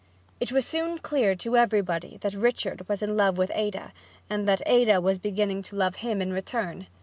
It was soon clear to everybody that Richard was in love with Ada and that Ada was beginning to love him in return.